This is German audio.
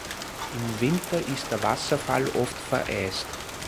Im Winter ist der Wasserfall oft vereist.